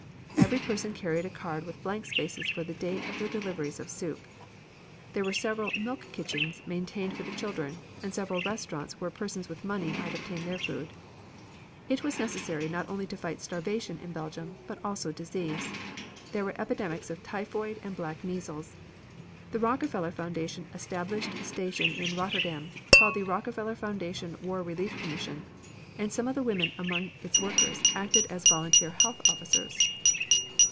Every person carried a card with blank spaces for the date of the deliveries of soup. There were several milk kitchens maintained for the children, and several restaurants where persons with money might obtain their food. It was necessary not only to fight starvation in Belgium but also disease. There were epidemics of typhoid and black measles. The Rockefeller Foundation established a station in Rotterdam called the Rockefeller Foundation War Relief Commission, and some of the women among its workers acted as volunteer health officers.